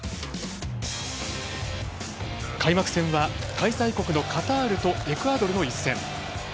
開幕戦は開催国のカタールとエクアドルの一戦。